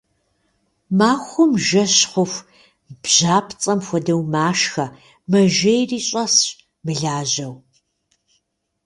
Махуэм жэщ хъуху бжьапцӏэм хуэдэу машхэ мэжейри щӏэсщ, мылажьэу.